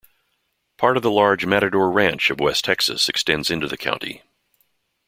Part of the large Matador Ranch of West Texas extends into the county.